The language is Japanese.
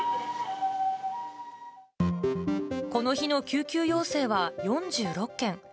この日の救急要請は４６件。